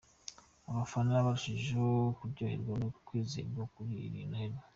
Abafana barushijeho kuryoherwa no kwizihirwa kuri iyi noheli.